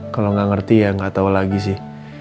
kalo gak ngerti ya gak tau lagi sih